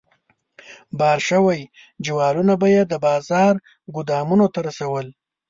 بار شوي جوالونه به یې د بازار ګودامونو ته رسول.